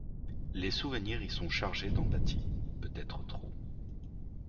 Les souvenirs y sont chargés d'empathie, peut-être trop.